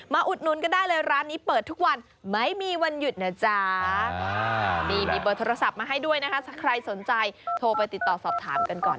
มาอุดนุนก็ได้เลยร้านนี้เปิดทุกวันไม่มีวันหยุดนะจ๊ะ